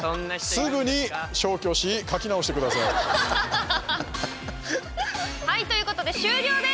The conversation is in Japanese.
すぐに消去し書き直してください。ということで終了です。